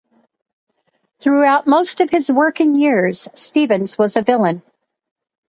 Throughout most of his working years, Stevens was a villain.